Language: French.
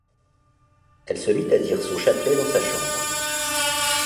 Elle se mit à dire son chapelet dans sa chambre.